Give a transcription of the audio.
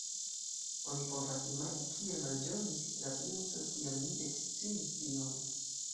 Oni povas imagi, kiel malĝojis la princo, kiam li eksciis tion.